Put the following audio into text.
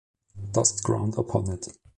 Dust ground upon it.